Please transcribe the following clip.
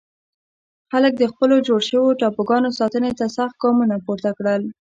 خلک د خپلو جوړ شوو ټاپوګانو ساتنې ته سخت ګامونه پورته کړل.